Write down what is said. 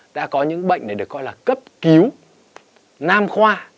ta có những bệnh này được gọi là cấp cứu nam khoa